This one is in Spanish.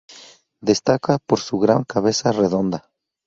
Destaca por su gran cabeza redonda.